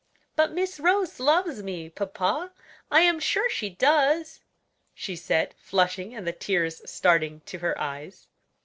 "But Miss Rose loves me, papa; I am sure she does," she said, flushing, and the tears starting to her eyes.